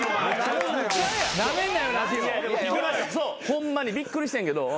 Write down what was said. ホンマにびっくりしてんけど。